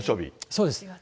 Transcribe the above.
そうです。